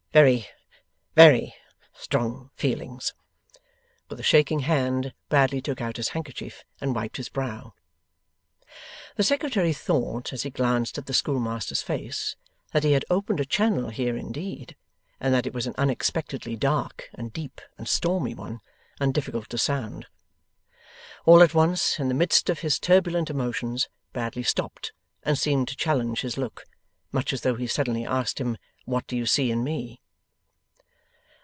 Very, very, strong feelings.' With a shaking hand, Bradley took out his handkerchief and wiped his brow. The Secretary thought, as he glanced at the schoolmaster's face, that he had opened a channel here indeed, and that it was an unexpectedly dark and deep and stormy one, and difficult to sound. All at once, in the midst of his turbulent emotions, Bradley stopped and seemed to challenge his look. Much as though he suddenly asked him, 'What do you see in me?